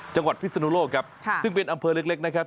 พิศนุโลกครับซึ่งเป็นอำเภอเล็กนะครับ